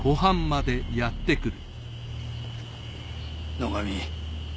野上。